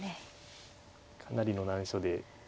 かなりの難所で。